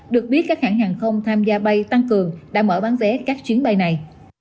được biết các hãng hàng không tham gia bay tăng cường đã mở bán vé các chuyến bay này